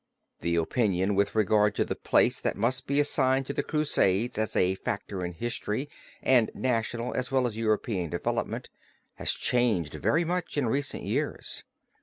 The opinion with regard to the place that must be assigned to the Crusades as a factor in history and national as well as European development, has changed very much in recent years.